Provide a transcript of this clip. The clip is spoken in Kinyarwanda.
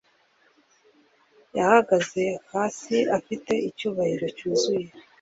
Yahagaze hasi afite icyubahiro cyuzuye